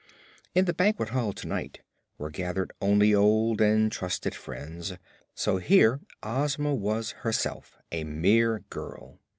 In the banquet hall to night were gathered only old and trusted friends, so here Ozma was herself a mere girl.